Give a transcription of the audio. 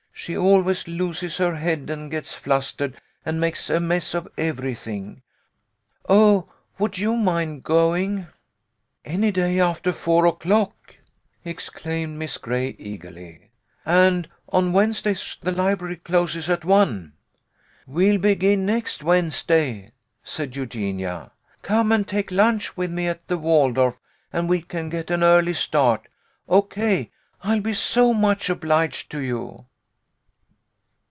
She always loses her head and gets flustered and makes a mess of everything. Oh, would you mind going ?"" Any day after four o'clock," exclaimed Miss Gray eagerly, " and on Wednesdays the library closes at one." "We'll begin next Wednesday," said Eugenia. "Come and take lunch with me at the Waldorf, and we can get an early start. Ok, I'll be so much obliged to you."